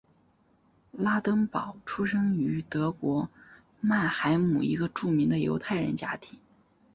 拉登堡出生于德国曼海姆一个著名的犹太人家庭。